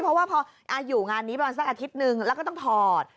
เพราะว่าพออยู่งานนี้ประมาณสักอาทิตย์หนึ่งแล้วก็ต้องถอด